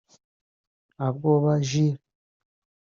Ntabwoba Jules